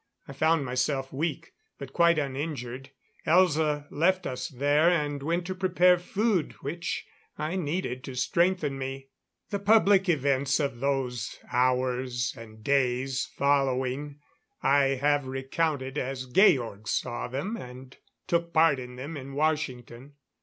I found myself weak, but quite uninjured. Elza left us there, and went to prepare food which I needed to strengthen me. The public events of those hours and days following, I have recounted as Georg saw them and took part in them in Washington.